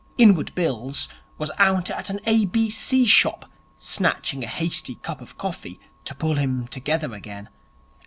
Inward Bills was out at an A.B.C. shop snatching a hasty cup of coffee, to pull him together again.